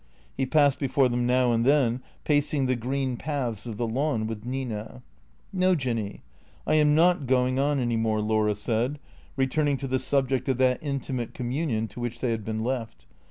He passed before them now and then, pacing the green paths of the lawn with Nina. " No, Jinny, I am not going on any more," Laura said, re turning to the subject of that intimate communion to which they had been left.